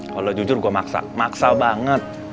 kalau jujur gue maksa banget